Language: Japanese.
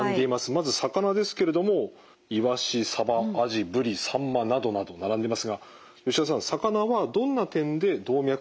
まず魚ですけれどもイワシサバアジブリサンマなどなど並んでいますが吉田さん魚はどんな点で動脈硬化予防にいいんでしょうか？